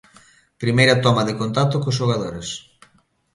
Primeira toma de contacto cos xogadores.